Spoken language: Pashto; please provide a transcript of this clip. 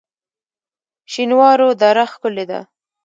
شینوارو دره ښکلې ده؟